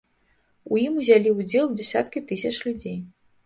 У ім узялі ўдзел дзясяткі тысяч людзей.